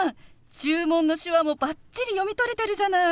注文の手話もバッチリ読み取れてるじゃない。